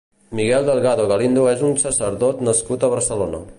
Miguel Delgado Galindo és un sacerdot nascut a Barcelona.